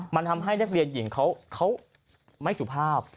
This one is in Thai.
มันทำให้เรียนห้ามไม่สุภาพ